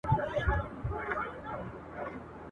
پرون مازیګر ناوخته !.